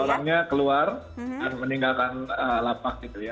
orangnya keluar dan meninggalkan lapak gitu ya